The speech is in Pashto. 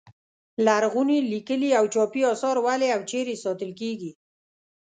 لرغوني لیکلي او چاپي اثار ولې او چیرې ساتل کیږي.